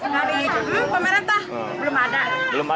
dari pemerintah belum ada